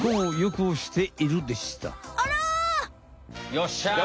よっしゃ！